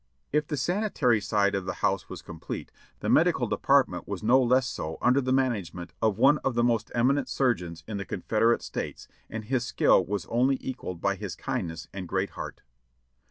If the sanitary side of the house was complete, the medical de partment was no less so under the management of one of the most eminent surgeons in the Confederate States, and his skill was only equalled by his kindness and great heart.